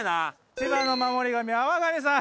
千葉の守り神あわ神さん。